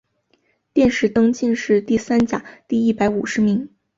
殿试登进士第三甲第一百五十名。